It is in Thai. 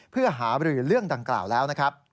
เพื่อหาบริหารเรื่องดังกล่าวแล้ว